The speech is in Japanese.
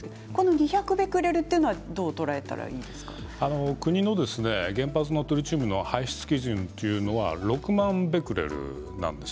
２００ベクレルというのはどう国の原発のトリチウムの排出基準というのが６万ベクレルなんです。